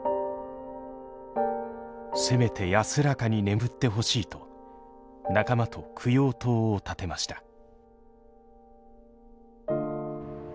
「せめて安らかに眠ってほしい」と仲間と供養塔を建てました。